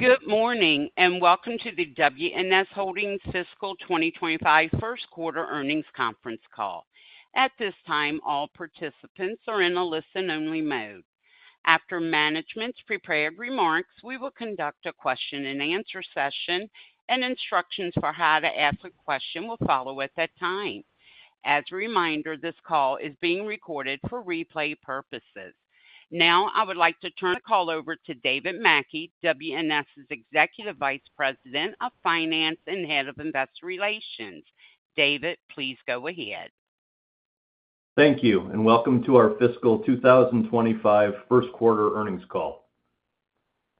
Good morning, and welcome to the WNS Holdings Fiscal 2025 first quarter earnings conference call. At this time, all participants are in a listen-only mode. After management's prepared remarks, we will conduct a question-and-answer session, and instructions for how to ask a question will follow at that time. As a reminder, this call is being recorded for replay purposes. Now, I would like to turn the call over to David Mackey, WNS's Executive Vice President of Finance and Head of Investor Relations. David, please go ahead. Thank you, and welcome to our fiscal 2025 first quarter earnings call.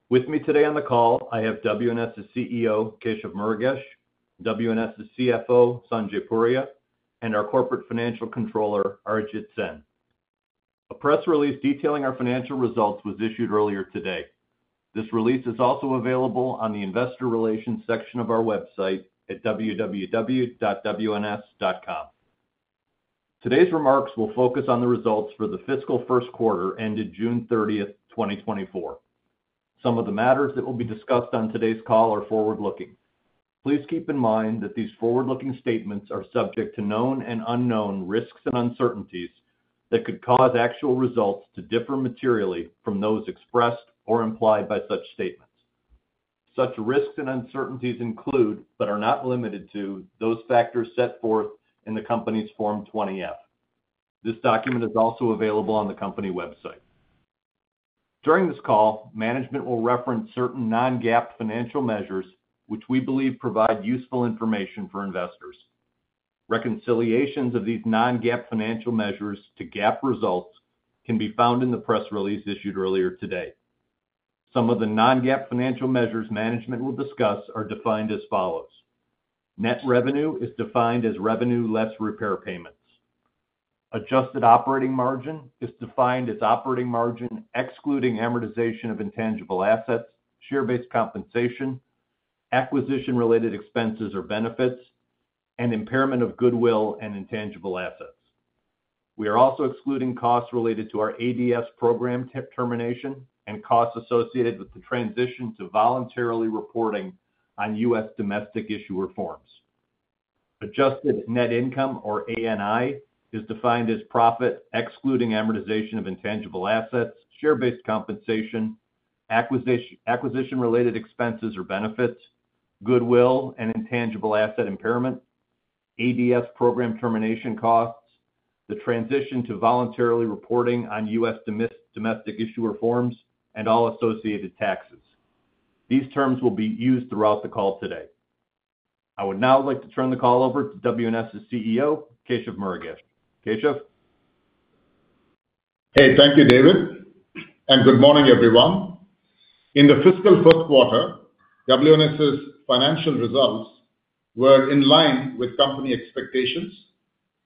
With me today on the call, I have WNS's CEO, Keshav Murugesh, WNS's CFO, Sanjay Puri, and our Corporate Financial Controller, Arijit Sen. A press release detailing our financial results was issued earlier today. This release is also available on the investor relations section of our website at www.wns.com. Today's remarks will focus on the results for the fiscal first quarter, ended June 30, 2024. Some of the matters that will be discussed on today's call are forward-looking. Please keep in mind that these forward-looking statements are subject to known and unknown risks and uncertainties that could cause actual results to differ materially from those expressed or implied by such statements. Such risks and uncertainties include, but are not limited to, those factors set forth in the Company's Form 20-F. This document is also available on the company website. During this call, management will reference certain non-GAAP financial measures, which we believe provide useful information for investors. Reconciliations of these non-GAAP financial measures to GAAP results can be found in the press release issued earlier today. Some of the non-GAAP financial measures management will discuss are defined as follows: Net revenue is defined as revenue less repair payments. Adjusted operating margin is defined as operating margin, excluding amortization of intangible assets, share-based compensation, acquisition-related expenses or benefits, and impairment of goodwill and intangible assets. We are also excluding costs related to our ADS program termination and costs associated with the transition to voluntarily reporting on U.S. domestic issuer forms. Adjusted Net Income, or ANI, is defined as profit, excluding amortization of intangible assets, share-based compensation, acquisition-related expenses or benefits, goodwill and intangible asset impairment, ADS program termination costs, the transition to voluntarily reporting on US domestic issuer forms, and all associated taxes. These terms will be used throughout the call today. I would now like to turn the call over to WNS's CEO, Keshav Murugesh. Keshav? Hey, thank you, David, and good morning, everyone. In the fiscal first quarter, WNS's financial results were in line with company expectations,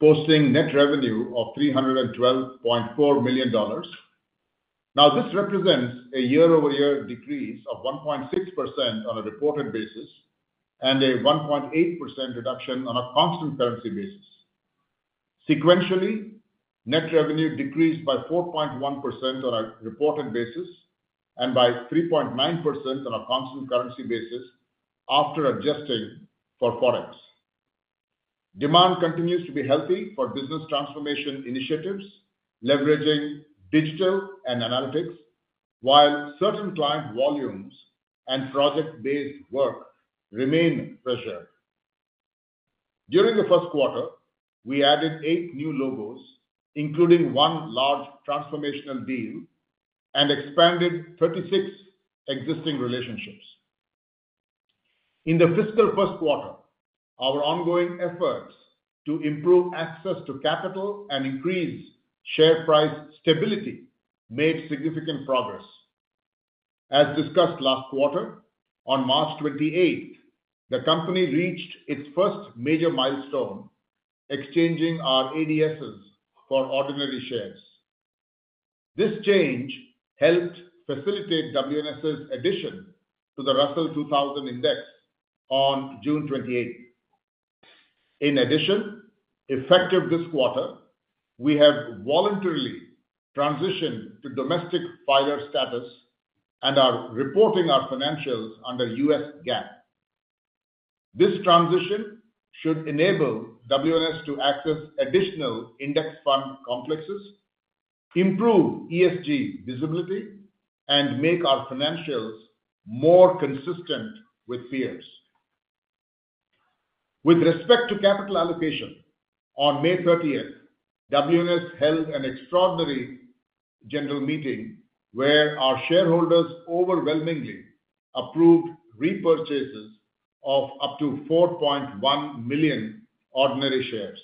posting net revenue of $312.4 million. Now, this represents a year-over-year decrease of 1.6% on a reported basis and a 1.8% reduction on a constant currency basis. Sequentially, net revenue decreased by 4.1% on a reported basis and by 3.9% on a constant currency basis after adjusting for Forex. Demand continues to be healthy for business transformation initiatives, leveraging digital and analytics, while certain client volumes and project-based work remain pressured. During the first quarter, we added 8 new logos, including one large transformational deal, and expanded 36 existing relationships. In the fiscal first quarter, our ongoing efforts to improve access to capital and increase share price stability made significant progress. As discussed last quarter, on March 28, the company reached its first major milestone, exchanging our ADSs for ordinary shares. This change helped facilitate WNS's addition to the Russell 2000 Index on June 28. In addition, effective this quarter, we have voluntarily transitioned to domestic filer status and are reporting our financials under US GAAP. This transition should enable WNS to access additional index fund complexes, improve ESG visibility, and make our financials more consistent with peers. With respect to capital allocation, on May 30, WNS held an extraordinary general meeting where our shareholders overwhelmingly approved repurchases of up to 4.1 million ordinary shares.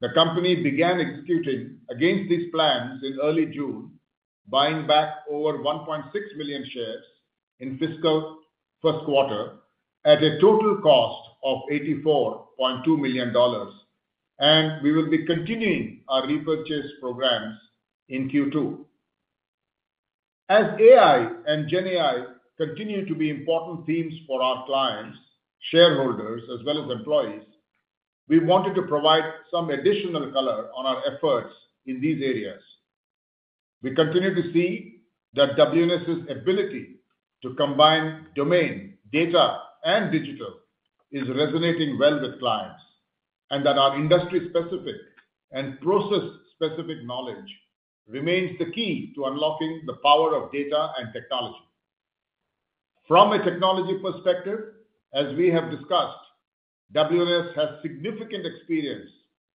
The company began executing against these plans in early June, buying back over 1.6 million shares in fiscal first quarter at a total cost of $84.2 million, and we will be continuing our repurchase programs in Q2. As AI and GenAI continue to be important themes for our clients, shareholders, as well as employees. We wanted to provide some additional color on our efforts in these areas. We continue to see that WNS's ability to combine domain, data, and digital is resonating well with clients, and that our industry-specific and process-specific knowledge remains the key to unlocking the power of data and technology. From a technology perspective, as we have discussed, WNS has significant experience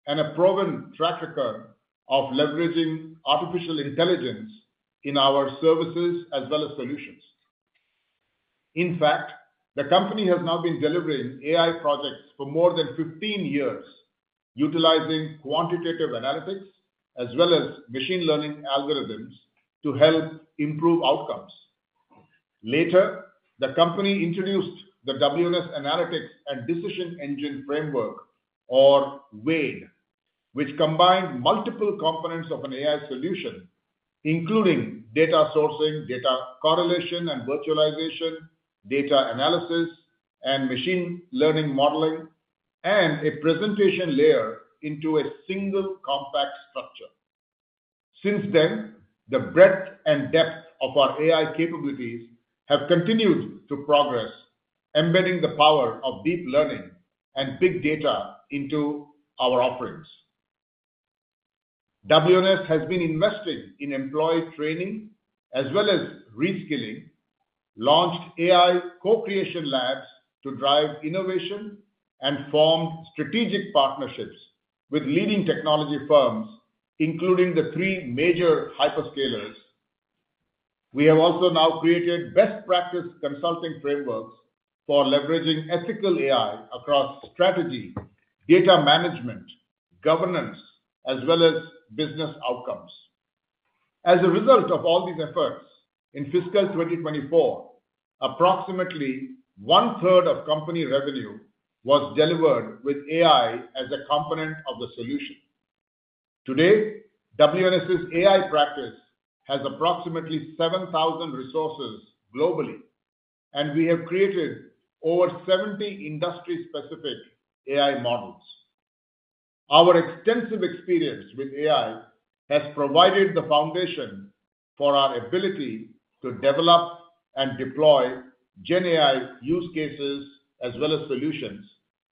and a proven track record of leveraging artificial intelligence in our services as well as solutions. In fact, the company has now been delivering AI projects for more than 15 years, utilizing quantitative analytics as well as machine learning algorithms to help improve outcomes. Later, the company introduced the WNS Analytics and Decision Engine Framework, or WADE, which combined multiple components of an AI solution, including data sourcing, data correlation and virtualization, data analysis, and machine learning modeling, and a presentation layer into a single compact structure. Since then, the breadth and depth of our AI capabilities have continued to progress, embedding the power of deep learning and big data into our offerings. WNS has been investing in employee training as well as reskilling, launched AI co-creation labs to drive innovation, and formed strategic partnerships with leading technology firms, including the three major hyperscalers. We have also now created best practice consulting frameworks for leveraging ethical AI across strategy, data management, governance, as well as business outcomes. As a result of all these efforts, in fiscal 2024, approximately one-third of company revenue was delivered with AI as a component of the solution. Today, WNS's AI practice has approximately 7,000 resources globally, and we have created over 70 industry-specific AI models. Our extensive experience with AI has provided the foundation for our ability to develop and deploy GenAI use cases as well as solutions,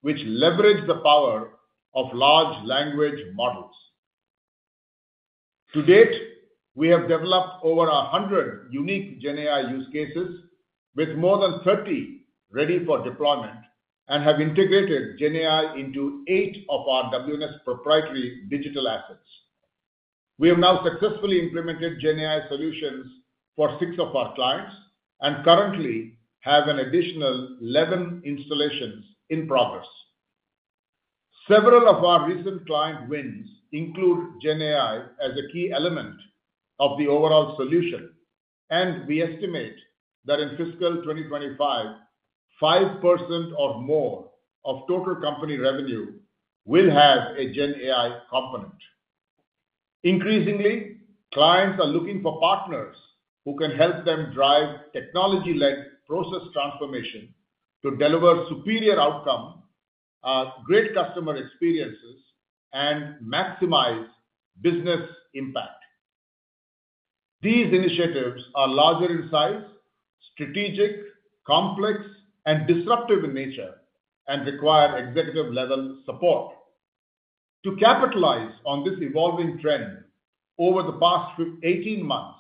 which leverage the power of large language models. To date, we have developed over 100 unique GenAI use cases, with more than 30 ready for deployment, and have integrated GenAI into eight of our WNS proprietary digital assets. We have now successfully implemented GenAI solutions for 6 of our clients and currently have an additional 11 installations in progress. Several of our recent client wins include GenAI as a key element of the overall solution, and we estimate that in fiscal 2025, 5% or more of total company revenue will have a GenAI component. Increasingly, clients are looking for partners who can help them drive technology-led process transformation to deliver superior outcome, great customer experiences, and maximize business impact. These initiatives are larger in size, strategic, complex, and disruptive in nature and require executive-level support. To capitalize on this evolving trend, over the past eighteen months,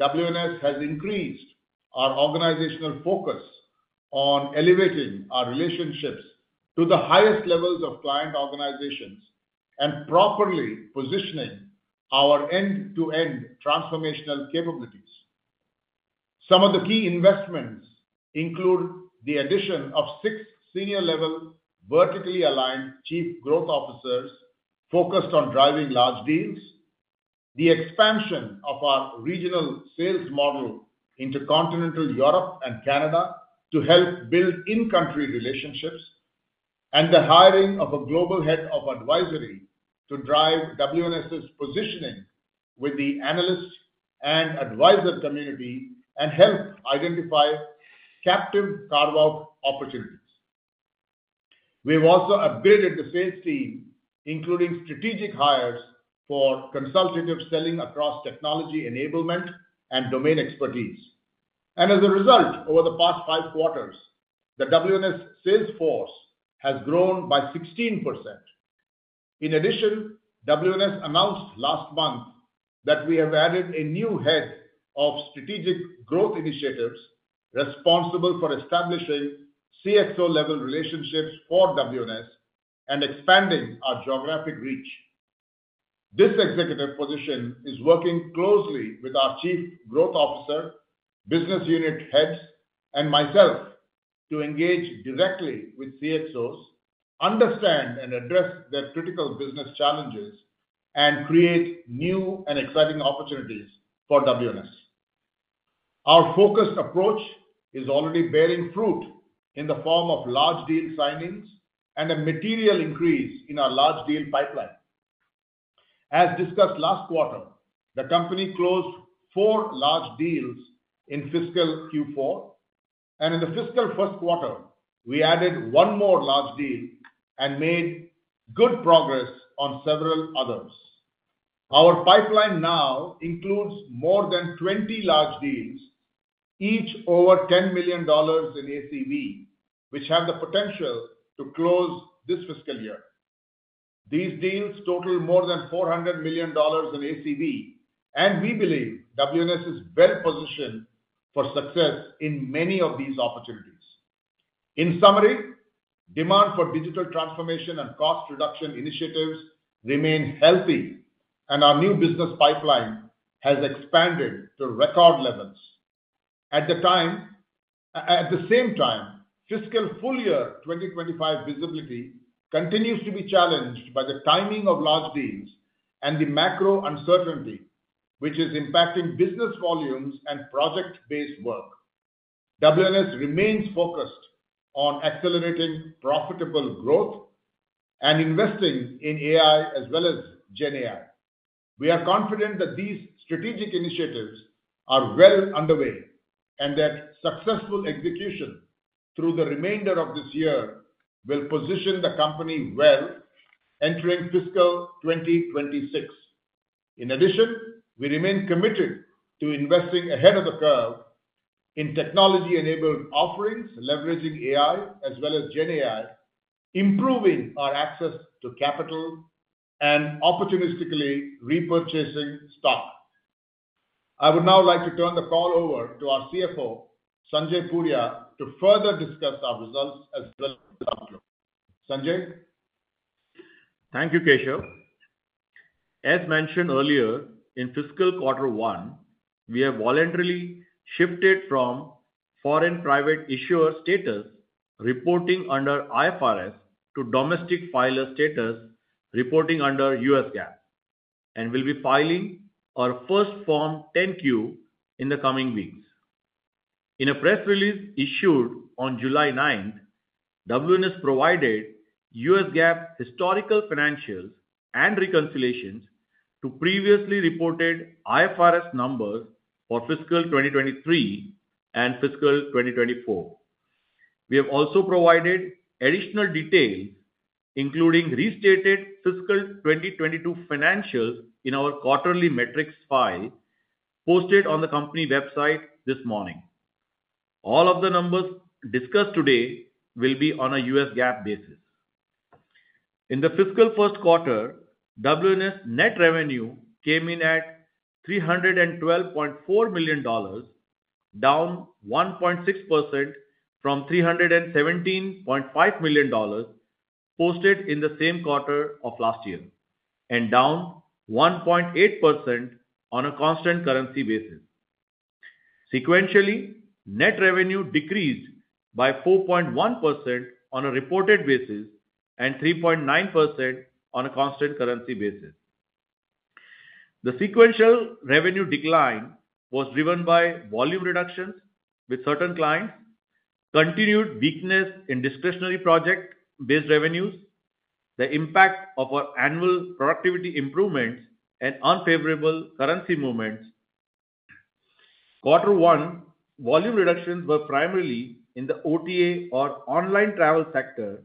WNS has increased our organizational focus on elevating our relationships to the highest levels of client organizations and properly positioning our end-to-end transformational capabilities. Some of the key investments include the addition of 6 senior-level, vertically aligned Chief Growth Officers focused on driving large deals, the expansion of our regional sales model into Continental Europe and Canada to help build in-country relationships, and the hiring of a global head of advisory to drive WNS's positioning with the analyst and advisor community and help identify captive carve-out opportunities. We've also upgraded the sales team, including strategic hires for consultative selling across technology enablement and domain expertise. As a result, over the past 5 quarters, the WNS sales force has grown by 16%. In addition, WNS announced last month that we have added a new head of strategic growth initiatives, responsible for establishing CXO-level relationships for WNS and expanding our geographic reach. This executive position is working closely with our Chief Growth Officer, business unit heads, and myself to engage directly with CXOs, understand and address their critical business challenges, and create new and exciting opportunities for WNS. Our focused approach is already bearing fruit in the form of large deal signings and a material increase in our large deal pipeline. As discussed last quarter, the company closed four large deals in fiscal Q4, and in the fiscal first quarter, we added one more large deal and made good progress on several others. Our pipeline now includes more than 20 large deals, each over $10 million in ACV, which have the potential to close this fiscal year. These deals total more than $400 million in ACV, and we believe WNS is well positioned for success in many of these opportunities. In summary, demand for digital transformation and cost reduction initiatives remain healthy, and our new business pipeline has expanded to record levels. At the same time, fiscal full year 2025 visibility continues to be challenged by the timing of large deals and the macro uncertainty, which is impacting business volumes and project-based work. WNS remains focused on accelerating profitable growth and investing in AI as well as GenAI. We are confident that these strategic initiatives are well underway, and that successful execution through the remainder of this year will position the company well entering fiscal 2026. In addition, we remain committed to investing ahead of the curve in technology-enabled offerings, leveraging AI as well as GenAI, improving our access to capital, and opportunistically repurchasing stock. I would now like to turn the call over to our CFO, Sanjay Puri, to further discuss our results as well as... Sanjay? Thank you, Keshav. As mentioned earlier, in fiscal quarter 1, we have voluntarily shifted from foreign private issuer status reporting under IFRS to domestic filer status reporting under US GAAP, and we'll be filing our first Form 10-Q in the coming weeks. In a press release issued on July 9, WNS provided US GAAP historical financials and reconciliations to previously reported IFRS numbers for fiscal 2023 and fiscal 2024. We have also provided additional details, including restated fiscal 2022 financials in our quarterly metrics file, posted on the company website this morning. All of the numbers discussed today will be on a US GAAP basis. In the fiscal first quarter, WNS net revenue came in at $312.4 million, down 1.6% from $317.5 million, posted in the same quarter of last year, and down 1.8% on a constant currency basis. Sequentially, net revenue decreased by 4.1% on a reported basis and 3.9% on a constant currency basis. The sequential revenue decline was driven by volume reductions with certain clients, continued weakness in discretionary project-based revenues, the impact of our annual productivity improvements, and unfavorable currency movements. Quarter one, volume reductions were primarily in the OTA or online travel sector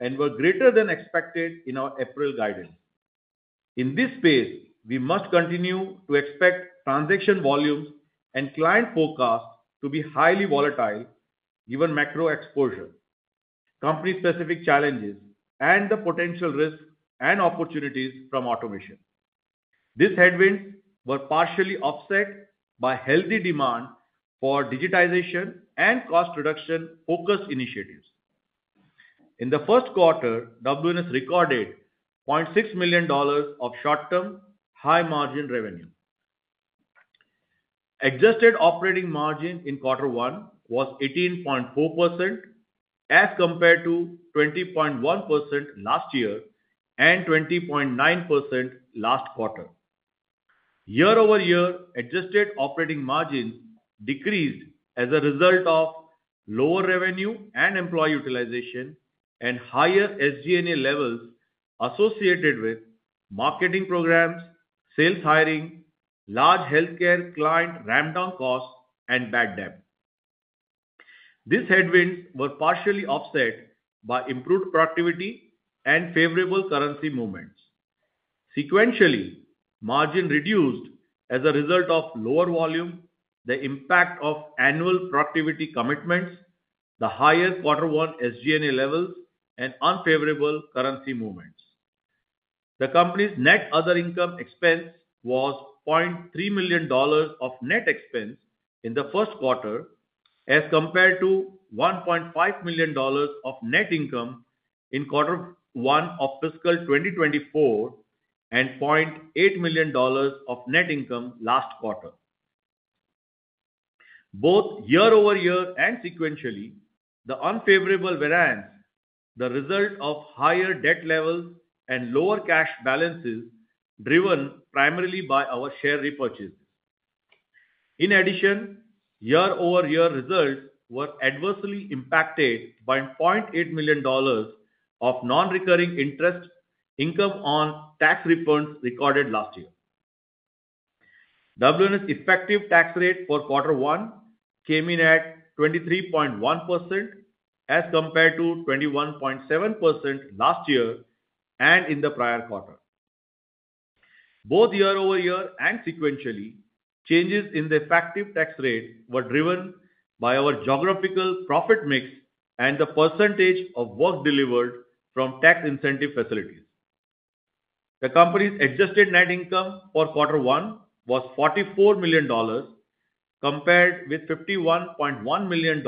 and were greater than expected in our April guidance. In this space, we must continue to expect transaction volumes and client forecasts to be highly volatile, given macro exposure, company-specific challenges, and the potential risks and opportunities from automation. These headwinds were partially offset by healthy demand for digitization and cost reduction-focused initiatives. In the first quarter, WNS recorded $0.6 million of short-term, high-margin revenue. Adjusted operating margin in quarter one was 18.4%, as compared to 20.1% last year, and 20.9% last quarter. Year-over-year adjusted operating margin decreased as a result of lower revenue and employee utilization and higher SG&A levels associated with marketing programs, sales hiring, large healthcare client ramp-down costs, and bad debt. These headwinds were partially offset by improved productivity and favorable currency movements. Sequentially, margin reduced as a result of lower volume, the impact of annual productivity commitments, the higher quarter one SG&A levels, and unfavorable currency movements. The company's net other income expense was $0.3 million of net expense in the first quarter, as compared to $1.5 million of net income in quarter one of fiscal 2024, and $0.8 million of net income last quarter. Both year-over-year and sequentially, the unfavorable variance, the result of higher debt levels and lower cash balances, driven primarily by our share repurchase.... In addition, year-over-year results were adversely impacted by $0.8 million of non-recurring interest income on tax refunds recorded last year. WNS effective tax rate for quarter one came in at 23.1%, as compared to 21.7% last year and in the prior quarter. Both year-over-year and sequentially, changes in the effective tax rate were driven by our geographical profit mix and the percentage of work delivered from tax incentive facilities. The company's adjusted net income for quarter one was $44 million, compared with $51.1 million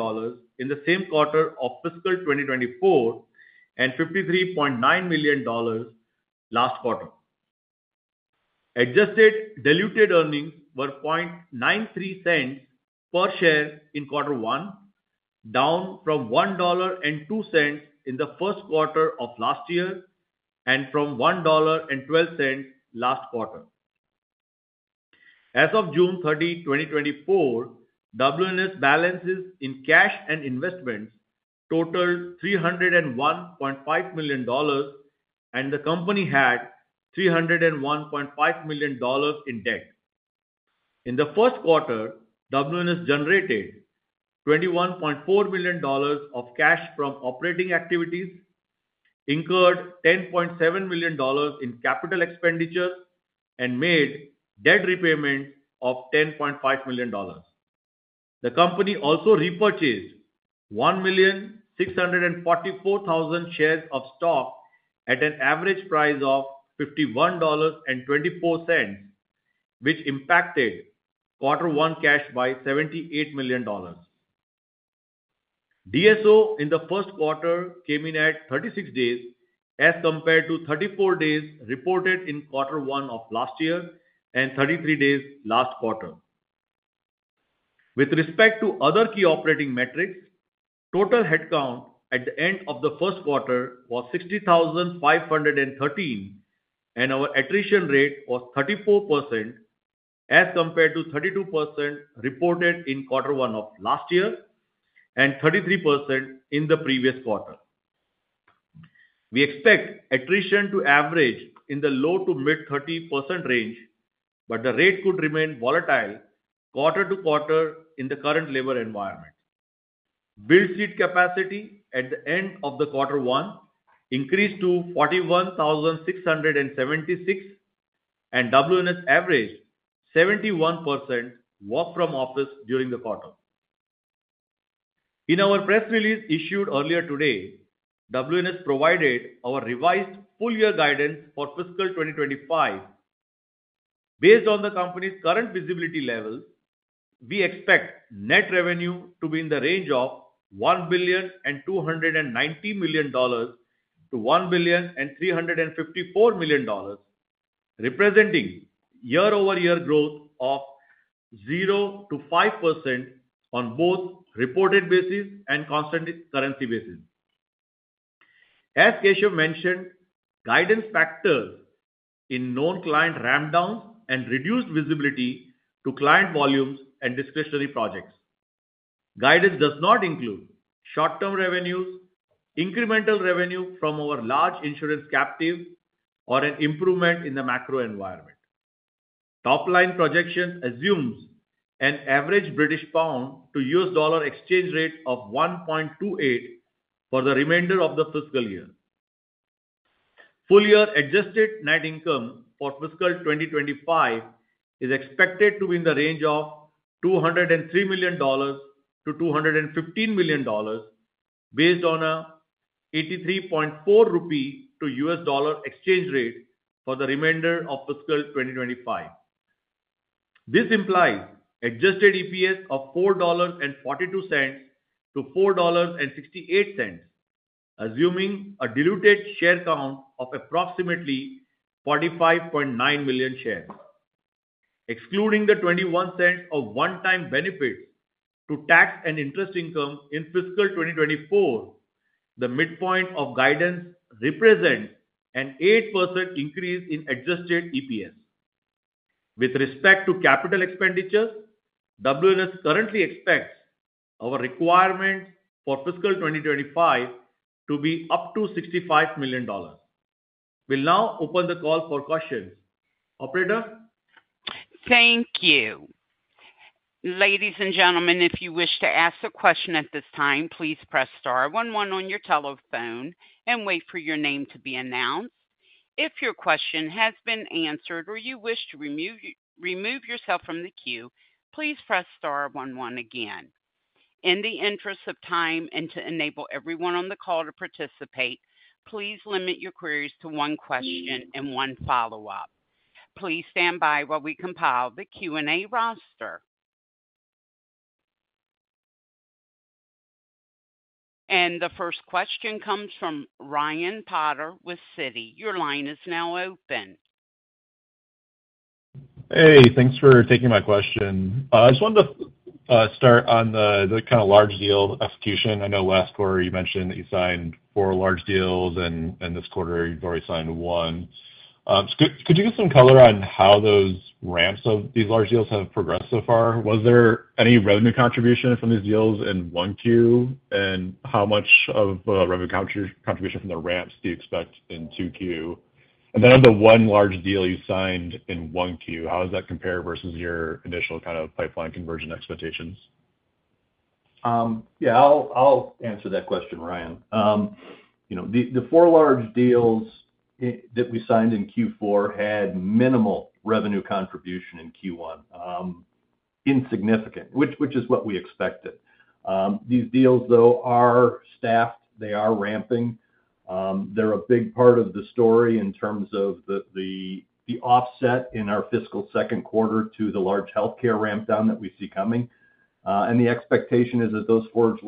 in the same quarter of fiscal 2024, and $53.9 million last quarter. Adjusted diluted earnings were $0.93 per share in quarter one, down from $1.02 in the first quarter of last year, and from $1.12 last quarter. As of June 30, 2024, WNS balances in cash and investments totaled $301.5 million, and the company had $301.5 million in debt. In the first quarter, WNS generated $21.4 million of cash from operating activities, incurred $10.7 million in capital expenditures, and made debt repayment of $10.5 million. The company also repurchased 1,644,000 shares of stock at an average price of $51.24, which impacted quarter one cash by $78 million. DSO in the first quarter came in at 36 days, as compared to 34 days reported in quarter one of last year and 33 days last quarter. With respect to other key operating metrics, total headcount at the end of the first quarter was 60,513, and our attrition rate was 34%, as compared to 32% reported in quarter one of last year and 33% in the previous quarter. We expect attrition to average in the low- to mid-30% range, but the rate could remain volatile quarter to quarter in the current labor environment. Built seat capacity at the end of the quarter one increased to 41,676, and WNS averaged 71% work from office during the quarter. In our press release issued earlier today, WNS provided our revised full-year guidance for fiscal 2025. Based on the company's current visibility levels, we expect net revenue to be in the range of $1.29 billion-$1.354 billion, representing year-over-year growth of 0%-5% on both reported basis and constant currency basis. As Keshav mentioned, guidance factors in known client ramp downs and reduced visibility to client volumes and discretionary projects. Guidance does not include short-term revenues, incremental revenue from our large insurance captive, or an improvement in the macro environment. Top-line projection assumes an average British pound to US dollar exchange rate of 1.28 for the remainder of the fiscal year. Full-year adjusted net income for fiscal 2025 is expected to be in the range of $203 million-$215 million, based on a 83.4 rupee to US dollar exchange rate for the remainder of fiscal 2025. This implies adjusted EPS of $4.42-$4.68, assuming a diluted share count of approximately 45.9 million shares. Excluding the $0.21 of one-time benefits to tax and interest income in fiscal 2024, the midpoint of guidance represents an 8% increase in adjusted EPS. With respect to capital expenditures, WNS currently expects our requirement for fiscal 2025 to be up to $65 million. We'll now open the call for questions. Operator? Thank you. Ladies and gentlemen, if you wish to ask a question at this time, please press star one one on your telephone and wait for your name to be announced. If your question has been answered or you wish to remove yourself from the queue, please press star one one again. In the interest of time and to enable everyone on the call to participate, please limit your queries to one question and one follow-up. Please stand by while we compile the Q&A roster. The first question comes from Ryan Potter with Citi. Your line is now open. Hey, thanks for taking my question. I just wanted to start on the kind of large deal execution. I know last quarter you mentioned that you signed 4 large deals, and this quarter, you've already signed 1. Could you give some color on how those ramps of these large deals have progressed so far? Was there any revenue contribution from these deals in 1Q? And how much of a revenue contribution from the ramps do you expect in 2Q? And then on the 1 large deal you signed in 1Q, how does that compare versus your initial kind of pipeline conversion expectations? Yeah, I'll answer that question, Ryan. You know, the four large deals that we signed in Q4 had minimal revenue contribution in Q1, insignificant, which is what we expected. These deals, though, are staffed. They are ramping. They're a big part of the story in terms of the offset in our fiscal second quarter to the large healthcare ramp down that we see coming. And the expectation is that those four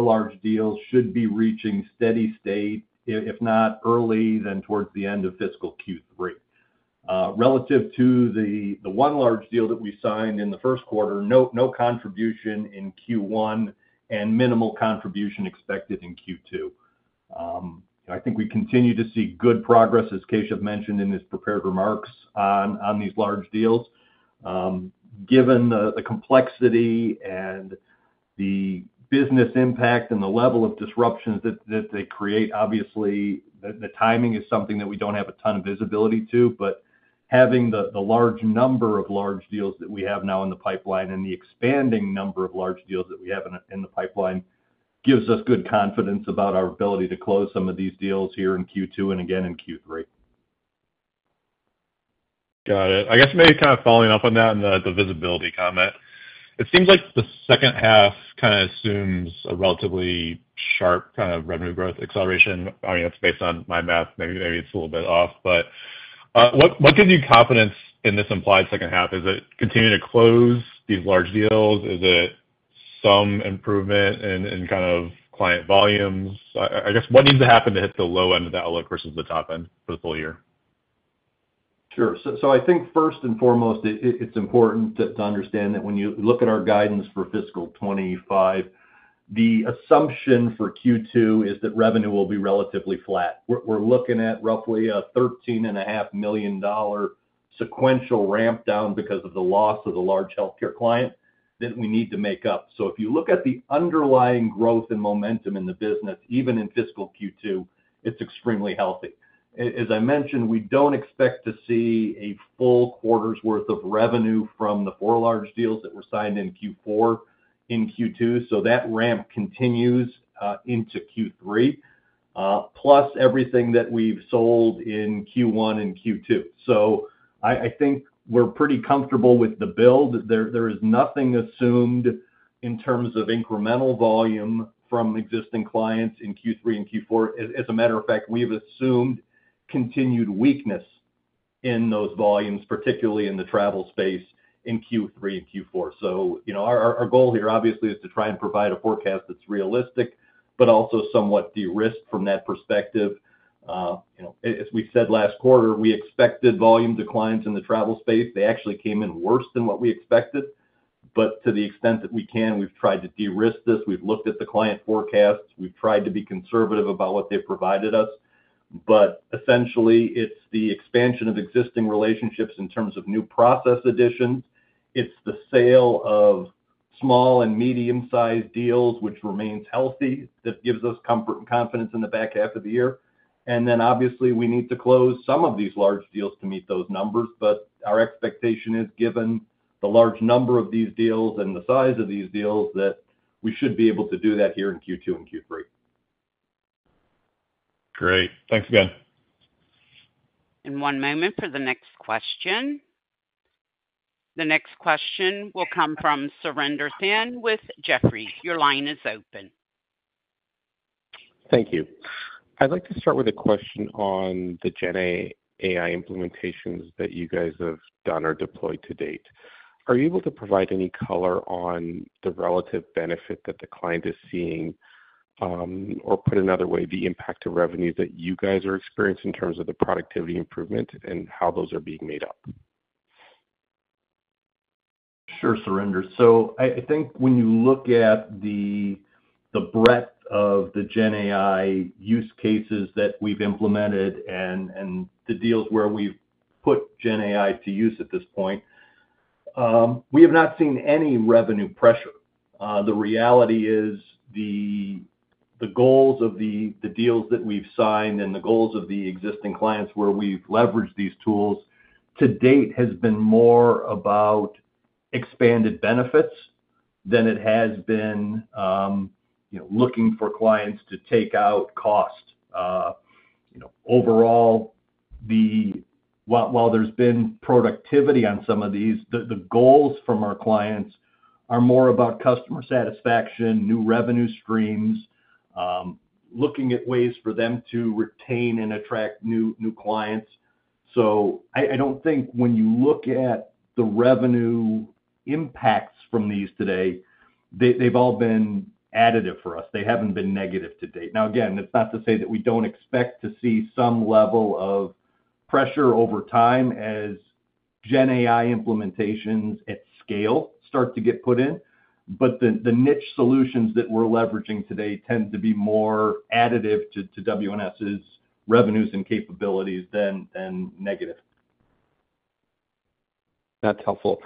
large deals should be reaching steady state, if not early, then towards the end of fiscal Q3. Relative to the one large deal that we signed in the first quarter, no contribution in Q1 and minimal contribution expected in Q2. I think we continue to see good progress, as Keshav mentioned in his prepared remarks on these large deals. Given the complexity and the business impact and the level of disruptions that they create, obviously, the timing is something that we don't have a ton of visibility to, but having the large number of large deals that we have now in the pipeline and the expanding number of large deals that we have in the pipeline, gives us good confidence about our ability to close some of these deals here in Q2 and again in Q3. Got it. I guess maybe kind of following up on that and the visibility comment. It seems like the second half kind of assumes a relatively sharp kind of revenue growth acceleration. I mean, that's based on my math, maybe, maybe it's a little bit off. But, what gives you confidence in this implied second half? Is it continuing to close these large deals? Is it some improvement in kind of client volumes? I guess, what needs to happen to hit the low end of the outlook versus the top end for the full year? Sure. So, so I think first and foremost, it's important to, to understand that when you look at our guidance for fiscal 2025, the assumption for Q2 is that revenue will be relatively flat. We're, we're looking at roughly a $13.5 million sequential ramp down because of the loss of the large healthcare client that we need to make up. So if you look at the underlying growth and momentum in the business, even in fiscal Q2, it's extremely healthy. As I mentioned, we don't expect to see a full quarter's worth of revenue from the four large deals that were signed in Q4, in Q2, so that ramp continues into Q3, plus everything that we've sold in Q1 and Q2. So I, I think we're pretty comfortable with the build. There is nothing assumed in terms of incremental volume from existing clients in Q3 and Q4. As a matter of fact, we've assumed continued weakness in those volumes, particularly in the travel space in Q3 and Q4. So, you know, our goal here, obviously, is to try and provide a forecast that's realistic, but also somewhat de-risked from that perspective. You know, as we said last quarter, we expected volume declines in the travel space. They actually came in worse than what we expected. But to the extent that we can, we've tried to de-risk this. We've looked at the client forecasts. We've tried to be conservative about what they provided us. But essentially, it's the expansion of existing relationships in terms of new process additions. It's the sale of small and medium-sized deals, which remains healthy, that gives us comfort and confidence in the back half of the year. And then, obviously, we need to close some of these large deals to meet those numbers, but our expectation is, given the large number of these deals and the size of these deals, that we should be able to do that here in Q2 and Q3. Great. Thanks again. One moment for the next question. The next question will come from Surinder Thind with Jefferies. Your line is open. Thank you. I'd like to start with a question on the GenAI implementations that you guys have done or deployed to date. Are you able to provide any color on the relative benefit that the client is seeing, or put another way, the impact to revenue that you guys are experiencing in terms of the productivity improvement and how those are being made up? Sure, Surinder. So I think when you look at the breadth of the GenAI use cases that we've implemented and the deals where we've put GenAI to use at this point, we have not seen any revenue pressure. The reality is the goals of the deals that we've signed and the goals of the existing clients where we've leveraged these tools, to date, has been more about expanded benefits than it has been, you know, looking for clients to take out cost. You know, overall, while there's been productivity on some of these, the goals from our clients are more about customer satisfaction, new revenue streams, looking at ways for them to retain and attract new clients. So I don't think when you look at the revenue impacts from these today, they've all been additive for us. They haven't been negative to date. Now, again, it's not to say that we don't expect to see some level of pressure over time as GenAI implementations at scale start to get put in. But the niche solutions that we're leveraging today tend to be more additive to WNS's revenues and capabilities than negative. That's helpful.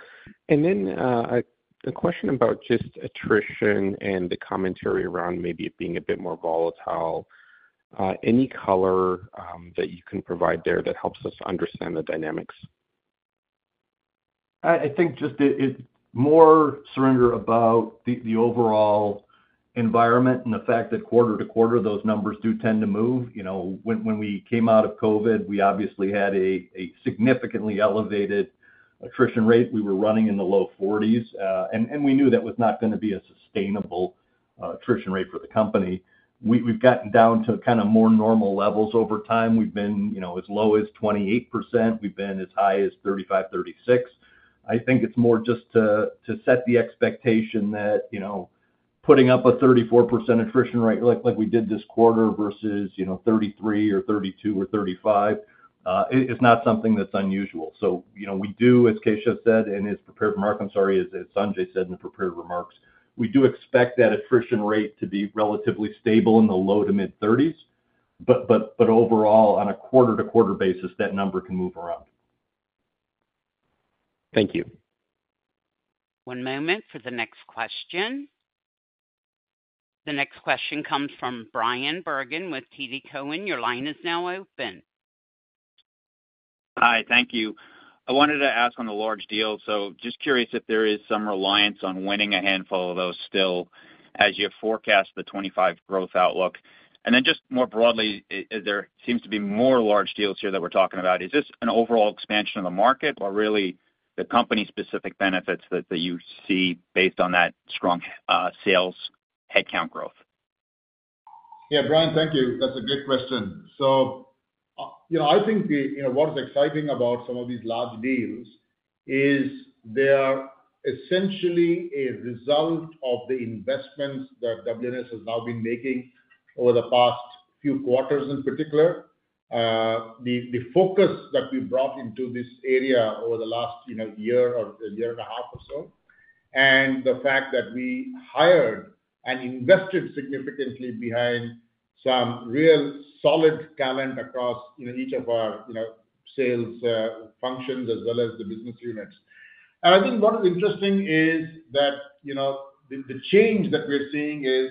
And then, a question about just attrition and the commentary around maybe it being a bit more volatile. Any color that you can provide there that helps us understand the dynamics? I think it's more, Surinder, about the overall environment and the fact that quarter to quarter, those numbers do tend to move. You know, when we came out of COVID, we obviously had a significantly elevated attrition rate. We were running in the low 40s, and we knew that was not gonna be a sustainable attrition rate for the company. We've gotten down to kind of more normal levels over time. We've been, you know, as low as 28%. We've been as high as 35, 36. I think it's more just to set the expectation that, you know, putting up a 34% attrition rate, like we did this quarter versus, you know, 33 or 32 or 35, is not something that's unusual. So, you know, we do, as Keshav said, in his prepared remarks... I'm sorry, as Sanjay said in the prepared remarks, we do expect that attrition rate to be relatively stable in the low to mid-thirties, but overall, on a quarter-to-quarter basis, that number can move around. Thank you. One moment for the next question. The next question comes from Bryan Bergin with TD Cowen. Your line is now open. Hi, thank you. I wanted to ask on the large deal. So just curious if there is some reliance on winning a handful of those still, as you forecast the '25 growth outlook. And then just more broadly, there seems to be more large deals here that we're talking about. Is this an overall expansion of the market or really the company-specific benefits that, that you see based on that strong sales headcount growth? Yeah, Brian, thank you. That's a great question. So, you know, I think the You know, what is exciting about some of these large deals is they are essentially a result of the investments that WNS has now been making over the past few quarters, in particular. The focus that we brought into this area over the last, you know, year or year and a half or so, and the fact that we hired and invested significantly behind some real solid talent across, you know, each of our, you know, sales functions as well as the business units. And I think what is interesting is that, you know, the change that we're seeing is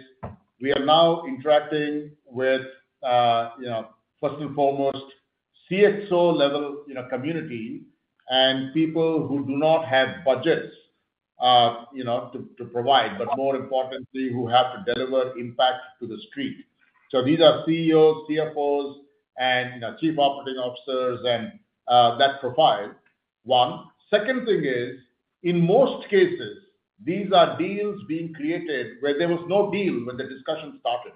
we are now interacting with, you know, first and foremost, CSO-level, you know, community and people who do not have budgets, you know, to provide, but more importantly, who have to deliver impact to the street. So these are CEOs, CFOs, and, you know, Chief Operating Officers, and that profile, one. Second thing is, in most cases, these are deals being created where there was no deal when the discussion started.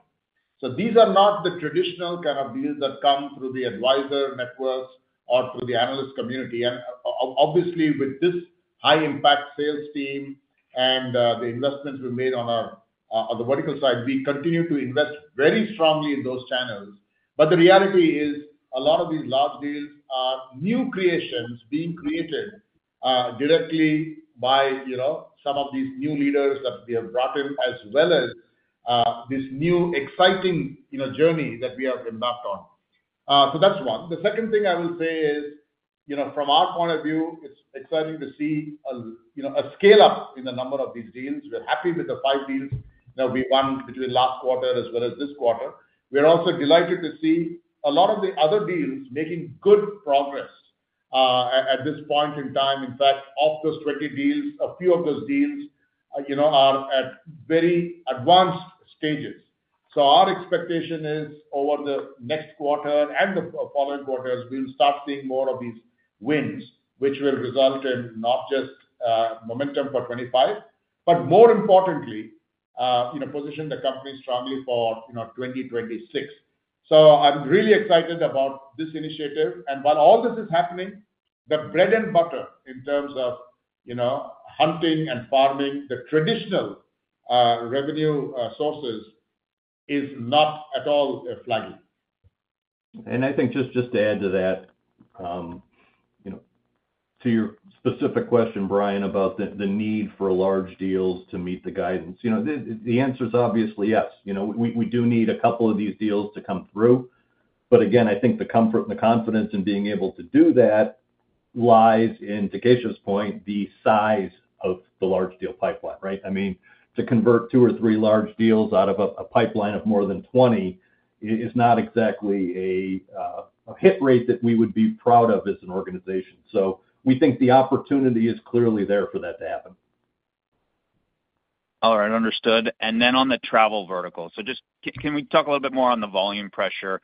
So these are not the traditional kind of deals that come through the advisor networks or through the analyst community. And obviously, with this high impact sales team and the investments we made on our on the vertical side, we continue to invest very strongly in those channels. But the reality is, a lot of these large deals are new creations being created directly by, you know, some of these new leaders that we have brought in, as well as this new exciting, you know, journey that we have embarked on. So that's one. The second thing I will say is, you know, from our point of view, it's exciting to see a, you know, a scale-up in the number of these deals. We're happy with the five deals that we won between last quarter as well as this quarter. We're also delighted to see a lot of the other deals making good progress at this point in time. In fact, of those 20 deals, a few of those deals, you know, are at very advanced stages. So our expectation is over the next quarter and the following quarters, we'll start seeing more of these wins, which will result in not just momentum for 2025, but more importantly position the company strongly for, you know, 2026. So I'm really excited about this initiative. And while all this is happening, the bread and butter in terms of, you know, hunting and farming, the traditional revenue sources, is not at all flagging. And I think just, just to add to that, you know, to your specific question, Bryan, about the, the need for large deals to meet the guidance. You know, the, the answer is obviously yes. You know, we, we do need a couple of these deals to come through, but again, I think the comfort and the confidence in being able to do that lies in, to Keshav's point, the size of the large deal pipeline, right? I mean, to convert two or three large deals out of a, a pipeline of more than 20 is, is not exactly a, a hit rate that we would be proud of as an organization. So we think the opportunity is clearly there for that to happen. All right. Understood. And then on the travel vertical, so just... Can we talk a little bit more on the volume pressure?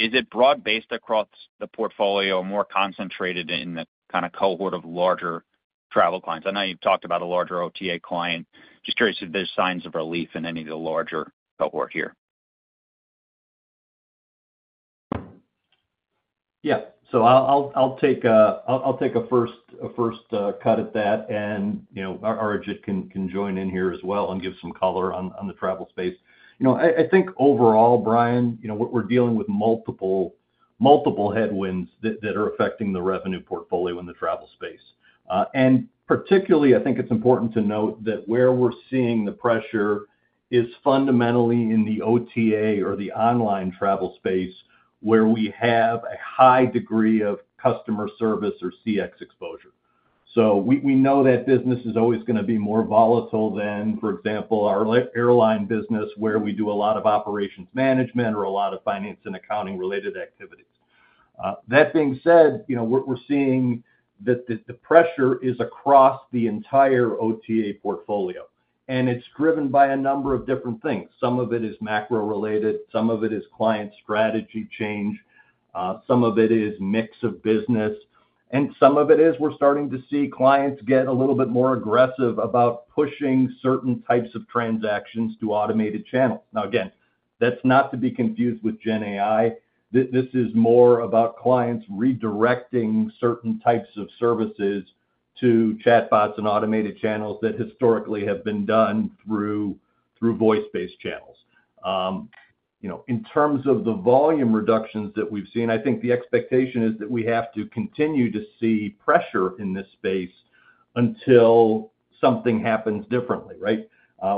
Is it broad-based across the portfolio, more concentrated in the kind of cohort of larger travel clients? I know you've talked about a larger OTA client. Just curious if there's signs of relief in any of the larger cohort here. Yeah. So I'll take a first cut at that, and, you know, Arijit can join in here as well and give some color on the travel space. You know, I think overall, Bryan, you know, we're dealing with multiple headwinds that are affecting the revenue portfolio in the travel space. And particularly, I think it's important to note that where we're seeing the pressure is fundamentally in the OTA or the online travel space, where we have a high degree of customer service or CX exposure. So we know that business is always gonna be more volatile than, for example, our airline business, where we do a lot of operations management or a lot of finance and accounting-related activities. That being said, you know, we're seeing that the pressure is across the entire OTA portfolio, and it's driven by a number of different things. Some of it is macro-related, some of it is client strategy change, some of it is mix of business, and some of it is we're starting to see clients get a little bit more aggressive about pushing certain types of transactions to automated channels. Now, again, that's not to be confused with GenAI. This is more about clients redirecting certain types of services to chatbots and automated channels that historically have been done through voice-based channels. You know, in terms of the volume reductions that we've seen, I think the expectation is that we have to continue to see pressure in this space until something happens differently, right?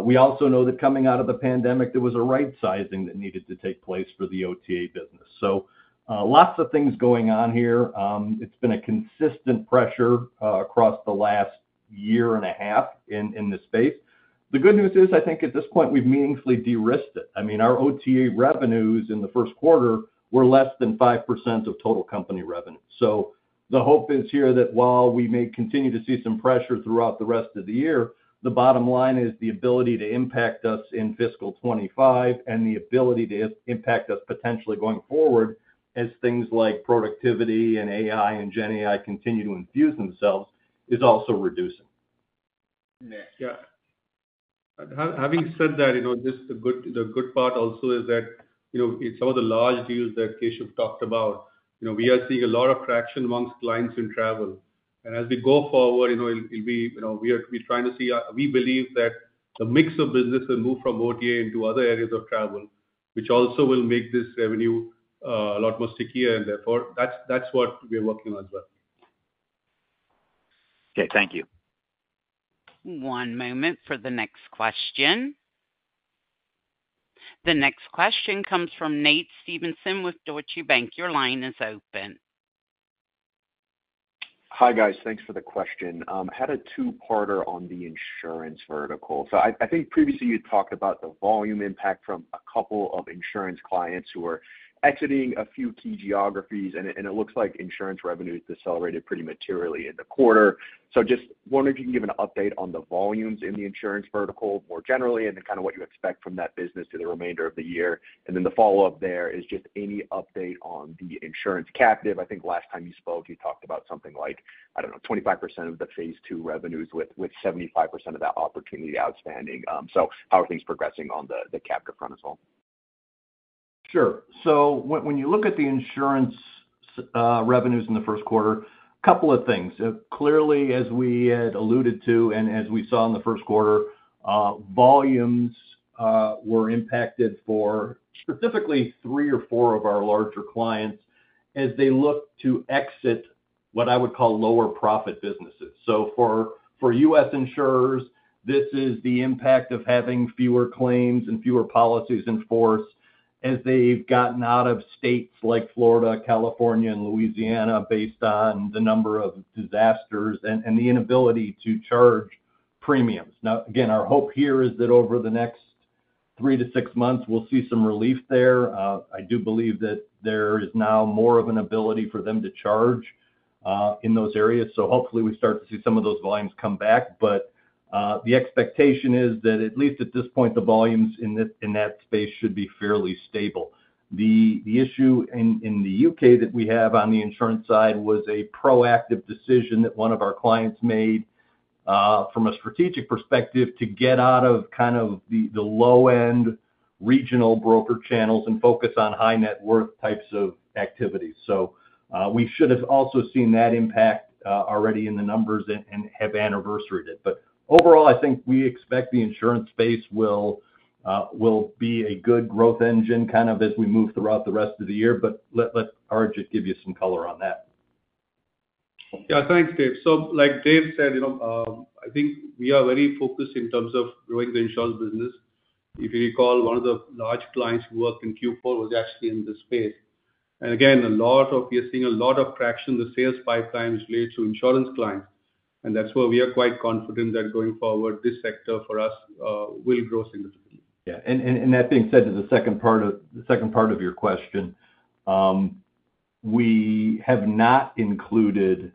We also know that coming out of the pandemic, there was a right sizing that needed to take place for the OTA business. So, lots of things going on here. It's been a consistent pressure across the last year and a half in this space. The good news is, I think at this point, we've meaningfully de-risked it. I mean, our OTA revenues in the first quarter were less than 5% of total company revenue. So the hope is here that while we may continue to see some pressure throughout the rest of the year, the bottom line is the ability to impact us in fiscal 2025, and the ability to impact us potentially going forward, as things like productivity and AI and GenAI continue to infuse themselves, is also reducing. Arijit? Yeah. Having said that, you know, just the good, the good part also is that, you know, in some of the large deals that Keshav talked about, you know, we are seeing a lot of traction amongst clients in travel. And as we go forward, you know, it'll be, you know, we're trying to see how... We believe that the mix of business will move from OTA into other areas of travel, which also will make this revenue a lot more stickier, and therefore, that's what we're working on as well. Okay, thank you. One moment for the next question. The next question comes from Nate Svensson with Deutsche Bank. Your line is open. Hi, guys. Thanks for the question. Had a two-parter on the insurance vertical. So I think previously you'd talked about the volume impact from a couple of insurance clients who were exiting a few key geographies, and it looks like insurance revenue decelerated pretty materially in the quarter. So just wondering if you can give an update on the volumes in the insurance vertical more generally, and then kind of what you expect from that business through the remainder of the year. And then the follow-up there is just any update on the insurance captive. I think last time you spoke, you talked about something like, I don't know, 25% of the phase two revenues, with 75% of that opportunity outstanding. So how are things progressing on the captive front as well? Sure. So when, when you look at the insurance revenues in the first quarter, a couple of things. Clearly, as we had alluded to, and as we saw in the first quarter, volumes were impacted for specifically three or four of our larger clients as they look to exit what I would call lower profit businesses. So for, for U.S. insurers, this is the impact of having fewer claims and fewer policies in force as they've gotten out of states like Florida, California, and Louisiana based on the number of disasters and, and the inability to charge premiums. Now, again, our hope here is that over the next three to six months, we'll see some relief there. I do believe that there is now more of an ability for them to charge in those areas, so hopefully, we start to see some of those volumes come back. But the expectation is that, at least at this point, the volumes in that space should be fairly stable. The issue in the UK that we have on the insurance side was a proactive decision that one of our clients made from a strategic perspective, to get out of kind of the low-end regional broker channels and focus on high net worth types of activities. So we should have also seen that impact already in the numbers and have anniversaried it. Overall, I think we expect the insurance space will be a good growth engine, kind of as we move throughout the rest of the year. Let Arijit give you some color on that. Yeah. Thanks, David. So like David said, you know, I think we are very focused in terms of growing the insurance business. If you recall, one of the large clients who worked in Q4 was actually in this space. And again, we are seeing a lot of traction, the sales pipeline is related to insurance clients, and that's why we are quite confident that going forward, this sector for us will grow significantly. Yeah, that being said, to the second part of your question, we have not included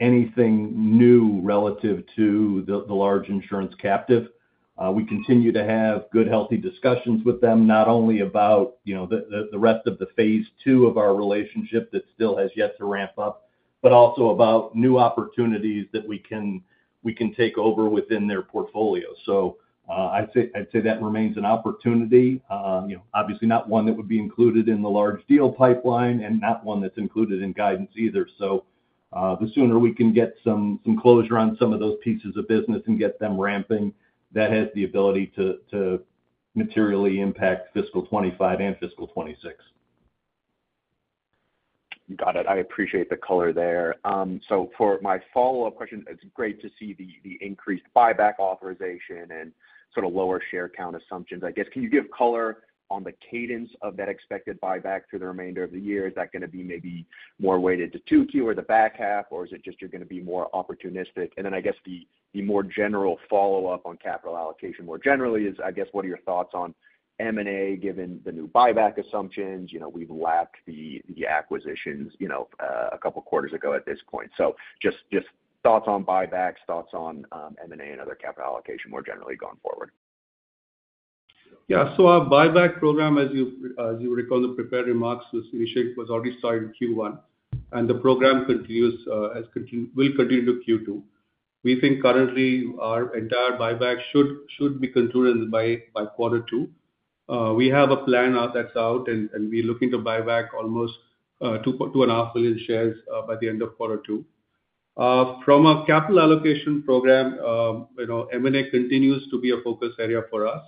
anything new relative to the large insurance captive. We continue to have good, healthy discussions with them, not only about, you know, the rest of phase two of our relationship that still has yet to ramp up, but also about new opportunities that we can take over within their portfolio. So, I'd say that remains an opportunity. You know, obviously not one that would be included in the large deal pipeline and not one that's included in guidance either. So, the sooner we can get some closure on some of those pieces of business and get them ramping, that has the ability to materially impact fiscal 2025 and fiscal 2026. Got it. I appreciate the color there. So for my follow-up question, it's great to see the increased buyback authorization and sort of lower share count assumptions. I guess, can you give color on the cadence of that expected buyback through the remainder of the year? Is that gonna be maybe more weighted to 2Q or the back half, or is it just you're gonna be more opportunistic? And then I guess the more general follow-up on capital allocation, more generally is, I guess, what are your thoughts on M&A, given the new buyback assumptions? You know, we've lapped the acquisitions, you know, a couple quarters ago at this point. So just thoughts on buybacks, thoughts on M&A, and other capital allocation, more generally going forward. Yeah. So our buyback program, as you recall, the prepared remarks, was already started in Q1, and the program will continue to Q2. We think our entire buyback should be concluded by quarter two. We have a plan out, that's out, and we're looking to buy back almost 2-2.5 million shares by the end of quarter two. From a capital allocation program, you know, M&A continues to be a focus area for us.